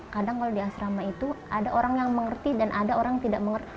kadang kalau di asrama itu ada orang yang mengerti dan ada orang yang tidak mengerti